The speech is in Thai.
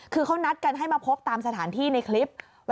คือเขานัดกันให้มาพบตามสถานที่ในคลิป